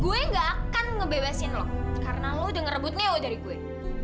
gue gak akan ngebebasin lo karena lo udah ngerebut neo dari gue